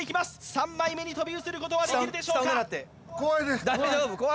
３枚目に跳び移ることはできるでしょうか？